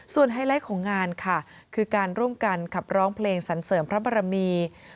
ไฮไลท์ของงานค่ะคือการร่วมกันขับร้องเพลงสันเสริมพระบรมี